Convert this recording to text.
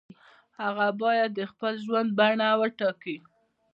هغه باید د خپل ژوند بڼه وټاکي.